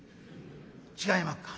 「違いまっか」。